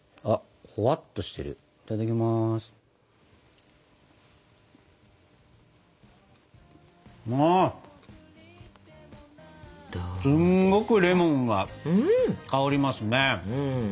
すんごくレモンが香りますね。